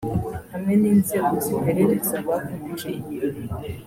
hamwe n’inzego z’iperereza bakomeje imirimo